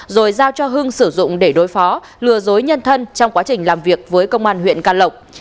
rồi giao cho hưng sử dụng để đối phó lừa dối nhân thân trong quá trình làm việc với công an huyện can lộc